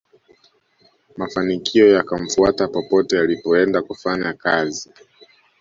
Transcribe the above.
mafanikio yakamfuata popote alipoenda kufanya kazi